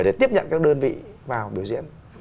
để tiếp nhận các đơn vị vào biểu diễn